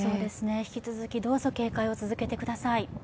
引き続きどうぞ警戒を続けてください。